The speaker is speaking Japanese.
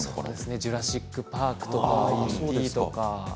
「ジュラシック・パーク」とか見ています。